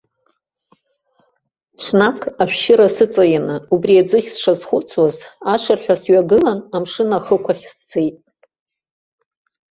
Ҽнак, ашәшьыра сыҵаианы убри аӡыхь сшазхәыцуаз, ашырҳәа сҩагылан, амшын ахықәахь сцеит.